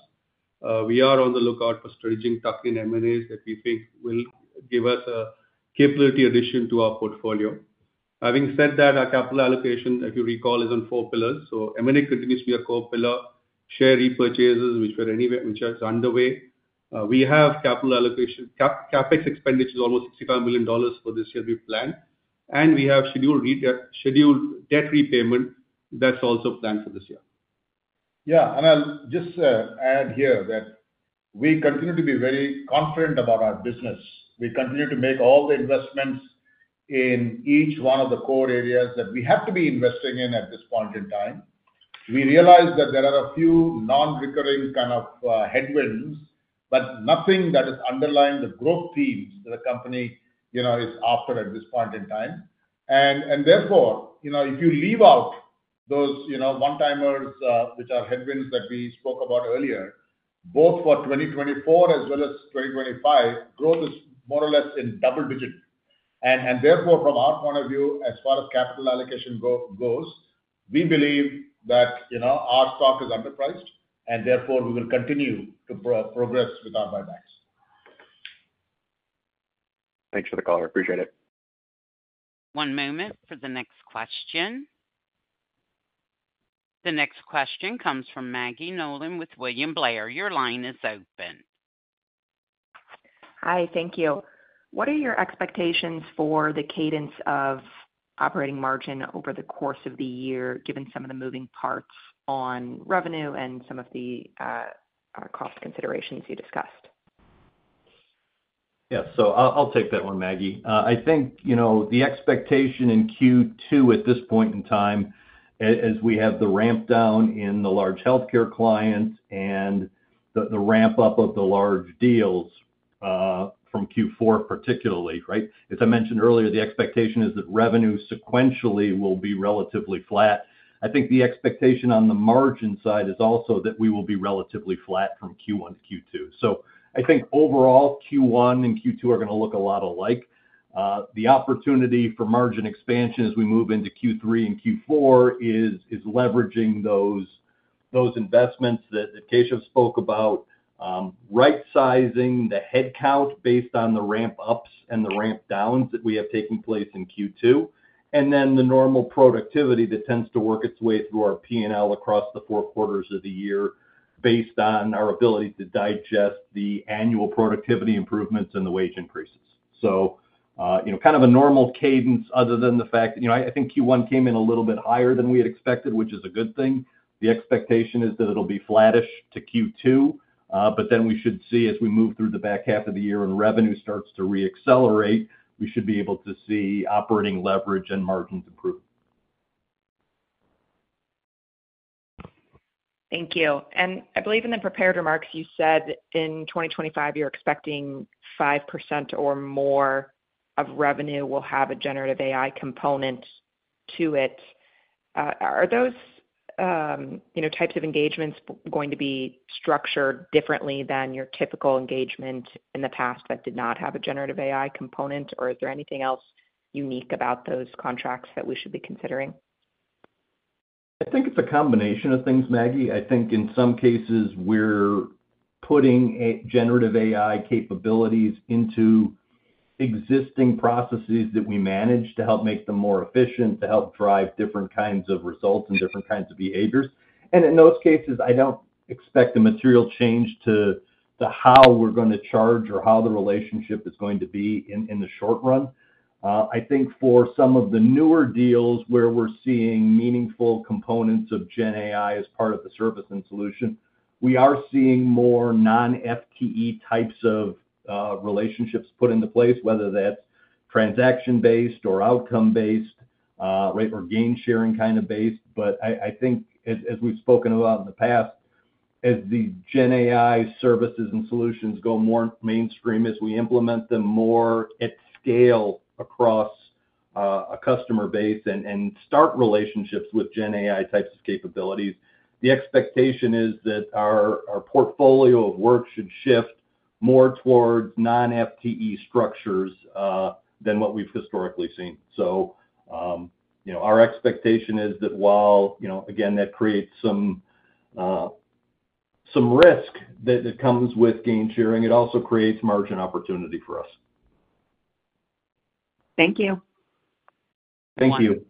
We are on the lookout for strategic tuck-in M&As that we think will give us a capability addition to our portfolio. Having said that, our capital allocation, if you recall, is on four pillars. So M&A continues to be a core pillar, share repurchases, which are underway. We have capital allocation, CapEx expenditures, almost $65 million for this year we planned, and we have scheduled debt repayment. That's also planned for this year. Yeah, and I'll just add here that we continue to be very confident about our business. We continue to make all the investments in each one of the core areas that we have to be investing in at this point in time. We realize that there are a few non-recurring kind of headwinds, but nothing that is underlying the growth themes that the company, you know, is after at this point in time. And therefore, you know, if you leave out those, you know, one-timers, which are headwinds that we spoke about earlier, both for 2024 as well as 2025, growth is more or less in double digits. And therefore, from our point of view, as far as capital allocation goes, we believe that, you know, our stock is underpriced, and therefore, we will continue to progress with our buybacks. Thanks for the call. I appreciate it. One moment for the next question. The next question comes from Maggie Nolan with William Blair. Your line is open. Hi, thank you. What are your expectations for the cadence of operating margin over the course of the year, given some of the moving parts on revenue and some of the, cost considerations you discussed? Yeah. So I'll take that one, Maggie. I think, you know, the expectation in Q2 at this point in time, as we have the ramp down in the large healthcare clients and the ramp-up of the large deals from Q4, particularly, right? As I mentioned earlier, the expectation is that revenue sequentially will be relatively flat. I think the expectation on the margin side is also that we will be relatively flat from Q1 to Q2. So I think overall, Q1 and Q2 are gonna look a lot alike. The opportunity for margin expansion as we move into Q3 and Q4 is leveraging those investments that Keshav spoke about, right-sizing the headcount based on the ramp-ups and the ramp-downs that we have taking place in Q2, and then the normal productivity that tends to work its way through our P&L across the four quarters of the year, based on our ability to digest the annual productivity improvements and the wage increases. So, you know, kind of a normal cadence other than the fact that... You know, I think Q1 came in a little bit higher than we had expected, which is a good thing. The expectation is that it'll be flattish to Q2, but then we should see as we move through the back half of the year and revenue starts to reaccelerate, we should be able to see operating leverage and margins improve. Thank you. I believe in the prepared remarks, you said in 2025, you're expecting 5% or more of revenue will have a generative AI component to it. Are those, you know, types of engagements going to be structured differently than your typical engagement in the past that did not have a generative AI component, or is there anything else unique about those contracts that we should be considering? I think it's a combination of things, Maggie. I think in some cases, we're putting generative AI capabilities into existing processes that we manage, to help make them more efficient, to help drive different kinds of results and different kinds of behaviors. And in those cases, I don't expect a material change to how we're gonna charge or how the relationship is going to be in the short run. I think for some of the newer deals, where we're seeing meaningful components of GenAI as part of the service and solution, we are seeing more non-FTE types of relationships put into place, whether that's transaction-based or outcome-based, right, or gain-sharing kind of based. But I think as we've spoken about in the past, as the GenAI services and solutions go more mainstream, as we implement them more at scale across a customer base and start relationships with GenAI types of capabilities, the expectation is that our portfolio of work should shift more towards non-FTE structures than what we've historically seen. So, you know, our expectation is that while, you know, again, that creates some risk that comes with gain sharing, it also creates margin opportunity for us. Thank you. Thank you.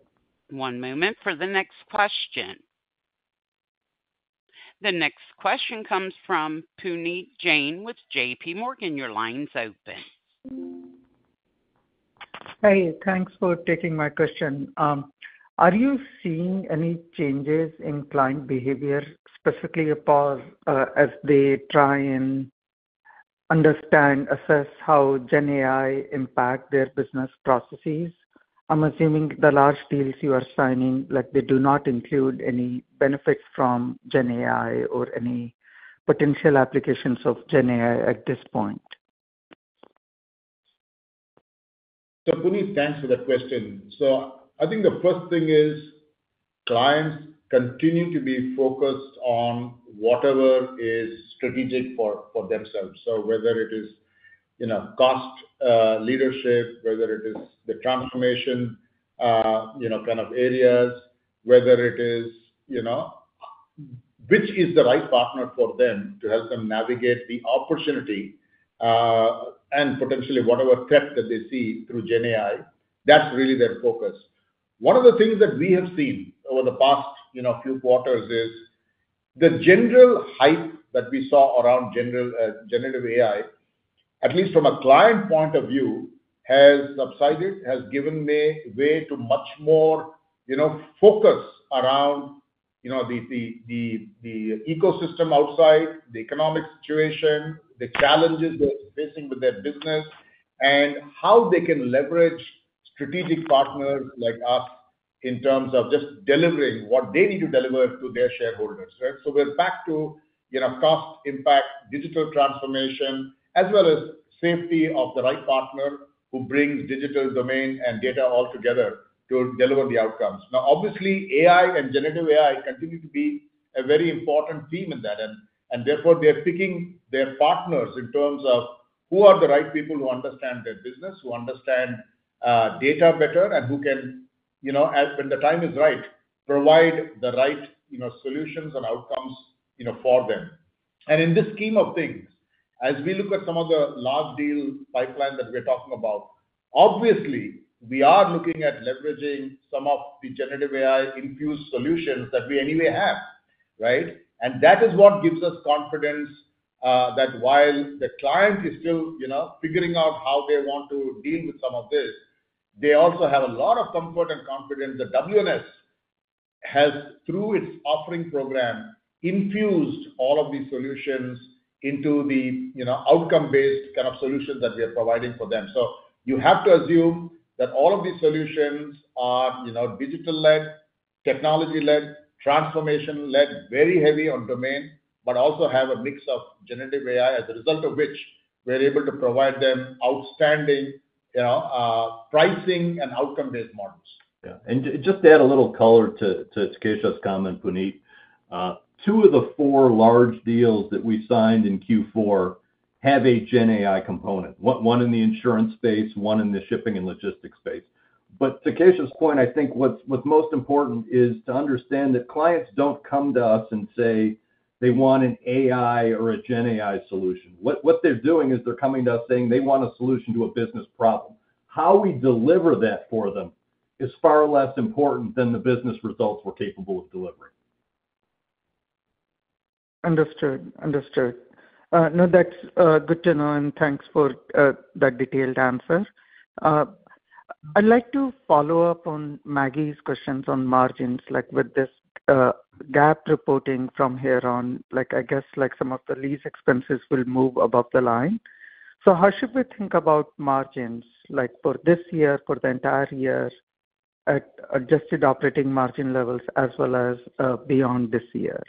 One moment for the next question. The next question comes from Puneet Jain with JPMorgan. Your line's open. Hey, thanks for taking my question. Are you seeing any changes in client behavior, specifically about, as they try and understand, assess how GenAI impact their business processes? I'm assuming the large deals you are signing, like, they do not include any benefits from GenAI or any potential applications of GenAI at this point. So Puneet, thanks for that question. So I think the first thing is, clients continue to be focused on whatever is strategic for, for themselves. So whether it is, you know, cost, leadership, whether it is the transformation, you know, kind of areas, whether it is, you know, which is the right partner for them to help them navigate the opportunity, and potentially whatever threat that they see through GenAI, that's really their focus. One of the things that we have seen over the past, you know, few quarters is, the general hype that we saw around general generative AI, at least from a client point of view, has subsided, has given way to much more, you know, focus around, you know, the ecosystem outside, the economic situation, the challenges they're facing with their business, and how they can leverage strategic partners like us in terms of just delivering what they need to deliver to their shareholders, right? So we're back to, you know, cost impact, digital transformation, as well as safety of the right partner who brings digital domain and data all together to deliver the outcomes. Now, obviously, AI and generative AI continue to be a very important theme in that, and therefore, they are picking their partners in terms of who are the right people who understand their business, who understand data better, and who can, you know, as when the time is right, provide the right, you know, solutions and outcomes, you know, for them. And in this scheme of things, as we look at some of the large deal pipeline that we're talking about, obviously, we are looking at leveraging some of the generative AI infused solutions that we anyway have, right? That is what gives us confidence that while the client is still, you know, figuring out how they want to deal with some of this, they also have a lot of comfort and confidence that WNS has, through its offering program, infused all of these solutions into the, you know, outcome-based kind of solutions that we are providing for them. So you have to assume that all of these solutions are, you know, digital-led, technology-led, transformation-led, very heavy on domain, but also have a mix of generative AI, as a result of which we're able to provide them outstanding, you know, pricing and outcome-based models. Yeah, and just to add a little color to Keshav's comment, Puneet. Two of the four large deals that we signed in Q4 have a GenAI component, one in the insurance space, one in the shipping and logistics space. But Keshav's point, I think what's most important is to understand that clients don't come to us and say they want an AI or a GenAI solution. What they're doing is they're coming to us saying they want a solution to a business problem. How we deliver that for them is far less important than the business results we're capable of delivering. Understood. Understood. No, that's good to know, and thanks for that detailed answer. I'd like to follow up on Maggie's questions on margins, like with this GAAP reporting from here on, like, I guess, like some of the lease expenses will move above the line. So how should we think about margins, like for this year, for the entire year, at adjusted operating margin levels as well as beyond this year?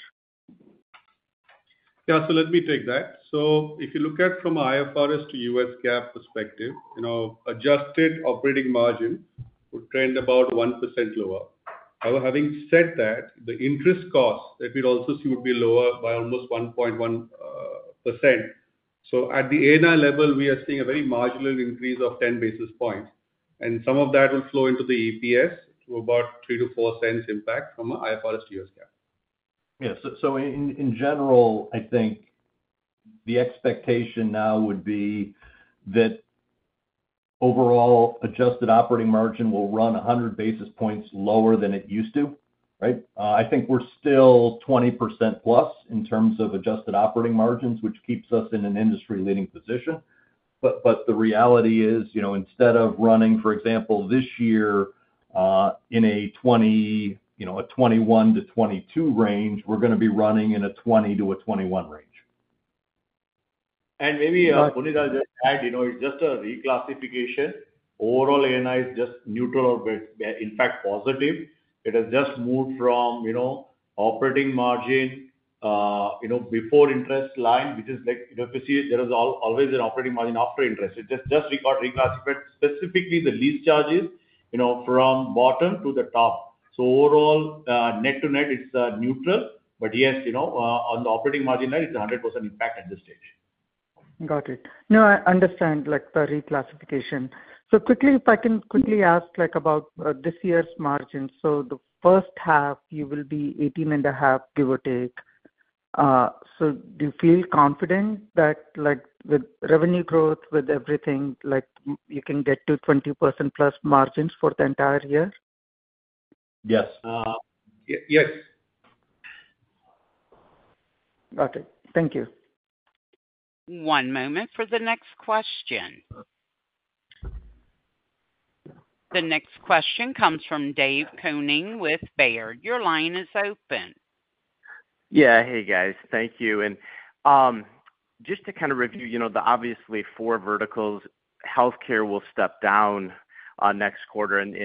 Yeah, so let me take that. So if you look at from IFRS to US GAAP perspective, you know, adjusted operating margin would trend about 1% lower. Now, having said that, the interest costs, that would also seem to be lower by almost 1.1%. So at the ANI level, we are seeing a very marginal increase of 10 basis points, and some of that will flow into the EPS to about $0.03-$0.04 impact from an IFRS to US GAAP. Yeah, so in general, I think the expectation now would be that overall adjusted operating margin will run 100 basis points lower than it used to, right? I think we're still 20% plus in terms of adjusted operating margins, which keeps us in an industry-leading position. But the reality is, you know, instead of running, for example, this year, in a 21%-22% range, we're gonna be running in a 20%-21% range. Maybe, Puneet, I'll just add, you know, it's just a reclassification. Overall, ANI is just neutral, but in fact, positive. It has just moved from, you know, operating margin, you know, before interest line, which is like, you have to see it, there is always an operating margin after interest. It's just, just got reclassified, specifically the lease charges-... you know, from bottom to the top. So overall, net to net, it's neutral. But yes, you know, on the operating margin net, it's 100% impact at this stage. Got it. No, I understand, like, the reclassification. Quickly, if I can quickly ask, like, about this year's margins. The first half, you will be 18.5, give or take. Do you feel confident that, like, with revenue growth, with everything, like, you can get to 20% plus margins for the entire year? Yes. Yes. Got it. Thank you. One moment for the next question. The next question comes from David Koning with Baird. Your line is open. Yeah. Hey, guys. Thank you. And just to kind of review, you know, the obviously four verticals, healthcare will step down next quarter and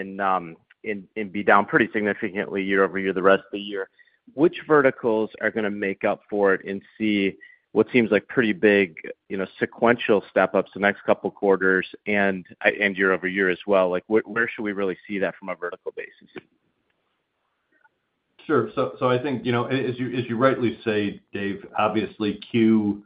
be down pretty significantly year-over-year, the rest of the year. Which verticals are gonna make up for it and see what seems like pretty big, you know, sequential step-ups the next couple quarters and year-over-year as well? Like, where should we really see that from a vertical basis? Sure. So I think, you know, as you rightly say, David, obviously Q2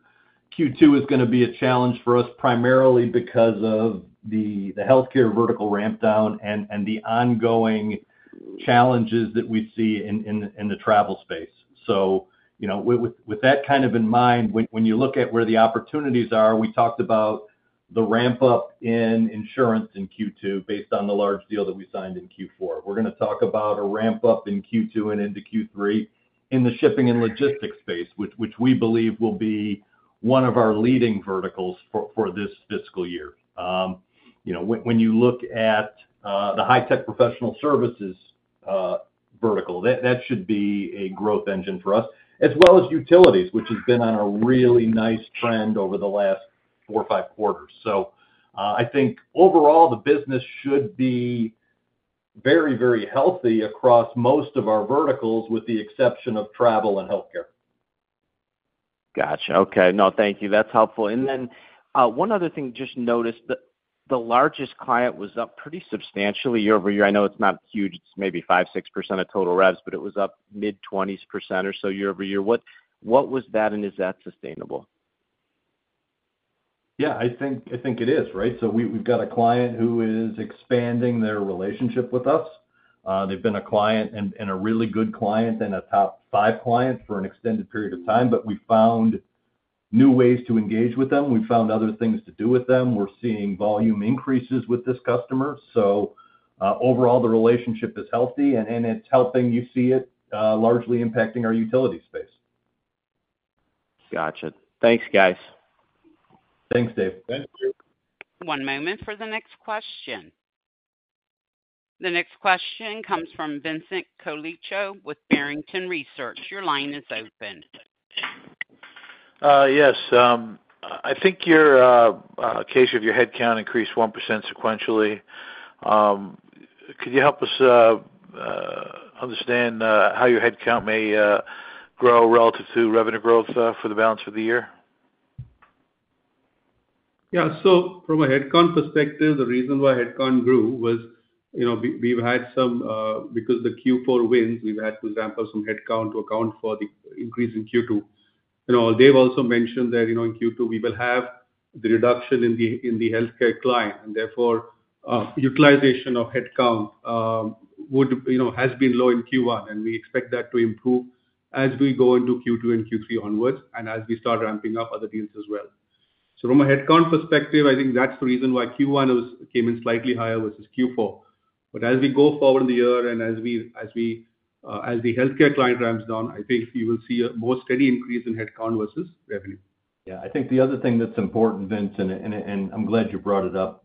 is gonna be a challenge for us, primarily because of the healthcare vertical ramp down and the ongoing challenges that we see in the travel space. So, you know, with that kind of in mind, when you look at where the opportunities are, we talked about the ramp-up in insurance in Q2, based on the large deal that we signed in Q4. We're gonna talk about a ramp-up in Q2 and into Q3 in the shipping and logistics space, which we believe will be one of our leading verticals for this fiscal year. You know, when you look at the high tech professional services vertical, that should be a growth engine for us, as well as utilities, which has been on a really nice trend over the last 4 or 5 quarters. So, I think overall, the business should be very, very healthy across most of our verticals, with the exception of travel and healthcare. Gotcha. Okay. No, thank you. That's helpful. And then, one other thing, just noticed that the largest client was up pretty substantially year-over-year. I know it's not huge, it's maybe 5-6% of total revs, but it was up mid-20s% or so year-over-year. What, what was that, and is that sustainable? Yeah, I think it is, right? So we've got a client who is expanding their relationship with us. They've been a client and a really good client and a top five client for an extended period of time, but we found new ways to engage with them. We've found other things to do with them. We're seeing volume increases with this customer. So, overall, the relationship is healthy and it's helping you see it, largely impacting our utility space. Gotcha. Thanks, guys. Thanks, David. One moment for the next question. The next question comes from Vincent Colicchio with Barrington Research. Your line is open. Yes, I think, Keshav, your headcount increased 1% sequentially. Could you help us understand how your headcount may grow relative to revenue growth for the balance of the year? Yeah, so from a headcount perspective, the reason why headcount grew was, you know, we, we've had some, because the Q4 wins, we've had to ramp up some headcount to account for the increase in Q2. You know, David also mentioned that, you know, in Q2, we will have the reduction in the, in the healthcare client, and therefore, utilization of headcount, would, you know, has been low in Q1, and we expect that to improve as we go into Q2 and Q3 onwards, and as we start ramping up other deals as well. So from a headcount perspective, I think that's the reason why Q1 came in slightly higher, versus Q4. But as we go forward in the year and as we, as we, as the healthcare client ramps down, I think you will see a more steady increase in headcount versus revenue. Yeah, I think the other thing that's important, Vincent, and I'm glad you brought it up.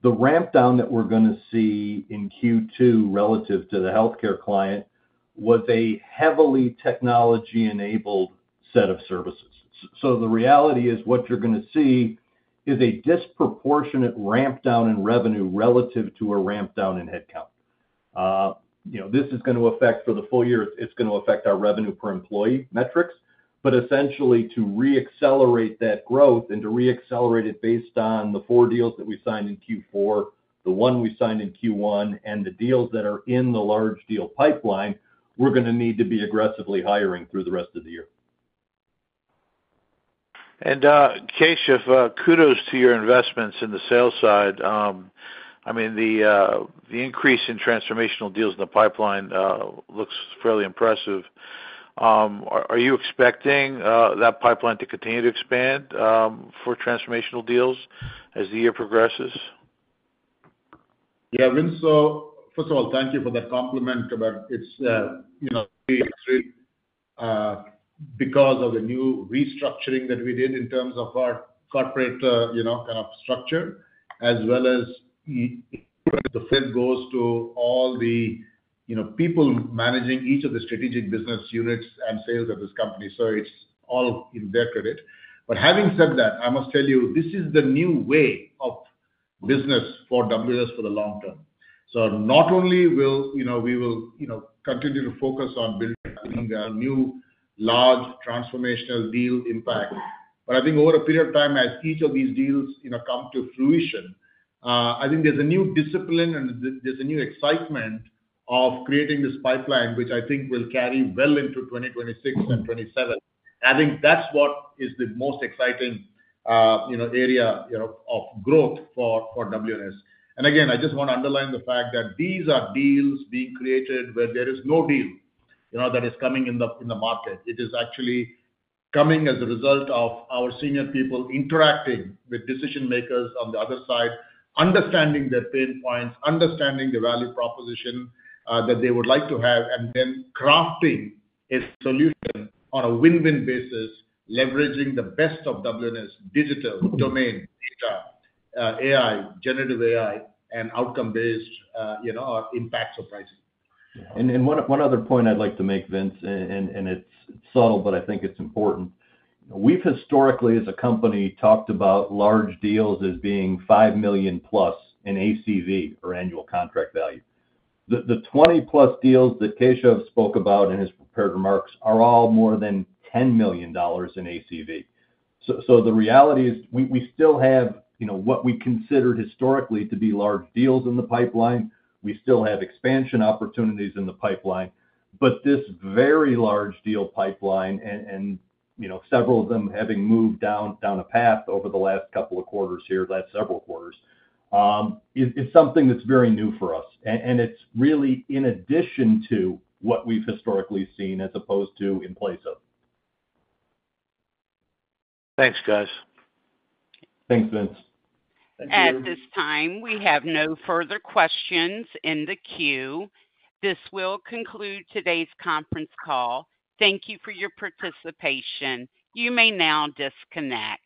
The ramp down that we're gonna see in Q2 relative to the healthcare client was a heavily technology-enabled set of services. So the reality is, what you're gonna see is a disproportionate ramp down in revenue relative to a ramp down in headcount. You know, this is gonna affect... For the full year, it's gonna affect our revenue per employee metrics. But essentially, to re-accelerate that growth and to re-accelerate it based on the four deals that we signed in Q4, the one we signed in Q1, and the deals that are in the large deal pipeline, we're gonna need to be aggressively hiring through the rest of the year. And, Keshav, kudos to your investments in the sales side. I mean, the increase in transformational deals in the pipeline looks fairly impressive. Are you expecting that pipeline to continue to expand for transformational deals as the year progresses? Yeah, Vincent, so first of all, thank you for that compliment, but it's, you know, because of the new restructuring that we did in terms of our corporate, you know, kind of structure, as well as the credit goes to all the, you know, people managing each of the strategic business units and sales of this company, so it's all in their credit. But having said that, I must tell you, this is the new way of business for WNS for the long term. So not only will, you know, we will, you know, continue to focus on building our new large transformational deal impact-... But I think over a period of time, as each of these deals, you know, come to fruition, I think there's a new discipline and there's a new excitement of creating this pipeline, which I think will carry well into 2026 and 2027. I think that's what is the most exciting, you know, area, you know, of growth for WNS. And again, I just wanna underline the fact that these are deals being created where there is no deal, you know, that is coming in the market. It is actually coming as a result of our senior people interacting with decision-makers on the other side, understanding their pain points, understanding the value proposition, that they would like to have, and then crafting a solution on a win-win basis, leveraging the best of WNS digital, domain, data, AI, generative AI, and outcome-based, you know, impact surprises. And one other point I'd like to make, Vince, and it's subtle, but I think it's important. We've historically, as a company, talked about large deals as being $5 million+ in ACV or annual contract value. The 20+ deals that Keshav spoke about in his prepared remarks are all more than $10 million in ACV. So the reality is, we still have, you know, what we consider historically to be large deals in the pipeline. We still have expansion opportunities in the pipeline, but this very large deal pipeline and, you know, several of them having moved down a path over the last couple of quarters here, last several quarters, is something that's very new for us, and it's really in addition to what we've historically seen, as opposed to in place of. Thanks, guys. Thanks, Vince. At this time, we have no further questions in the queue. This will conclude today's conference call. Thank you for your participation. You may now disconnect.